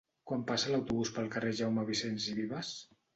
Quan passa l'autobús pel carrer Jaume Vicens i Vives?